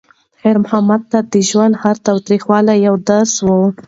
خیر محمد ته د ژوند هر تریخوالی یو درس و.